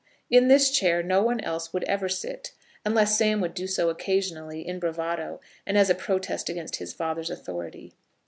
In this chair no one else would ever sit, unless Sam would do so occasionally, in bravado, and as a protest against his father's authority.